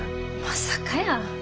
まさかやー。